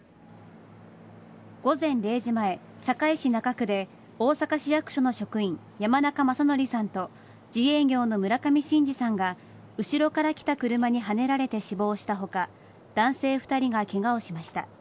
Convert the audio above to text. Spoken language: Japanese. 午前０時前、堺市中区で大阪市役所の職員山中正規さんと自営業の村上伸治さんが後ろからきた車にはねられて死亡した他男性２人がケガをしました。